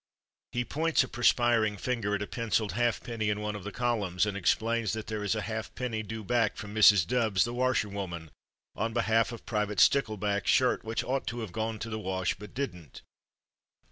He points a perspiring finger at a pencilled halfpenny in one of the columns, and ex plains that there is a halfpenny due back from Mrs. Dubbs, the washerwoman, on behalf of Private Stickleback's shirt which ought to have gone to the wash but didn't.